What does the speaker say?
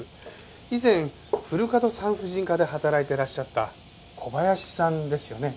以前古門産婦人科で働いていらっしゃった小林さんですよね？